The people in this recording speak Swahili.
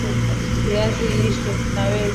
viazi lishe Vinaweza pamoja na maziwa